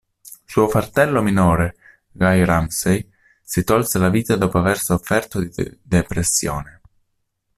Suo fratello minore, Guy Ramsey, si tolse la vita dopo aver sofferto di depressione.